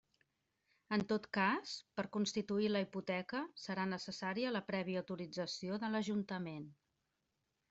En tot cas, per constituir la hipoteca serà necessària la prèvia autorització de l'Ajuntament.